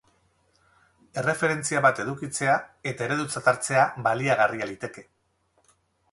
Erreferentzia bat edukitzea eta eredutzat hartzea baliagarria liteke.